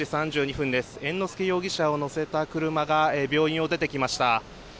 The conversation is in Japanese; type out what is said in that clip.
猿之助容疑者を乗せた車が病院を出てきました。